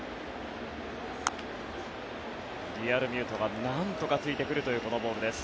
リアルミュートがなんとかついてくるというこのボールです。